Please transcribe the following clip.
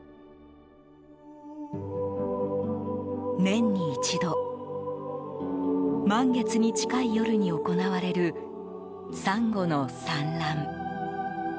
年に一度満月に近い夜に行われるサンゴの産卵。